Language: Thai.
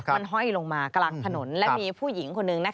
มันห้อยลงมากลางถนนและมีผู้หญิงคนหนึ่ง